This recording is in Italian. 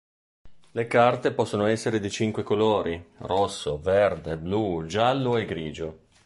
Le carte possono essere di cinque colori: rosso, verde, blu, giallo e grigio.